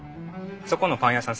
そこのパン屋さん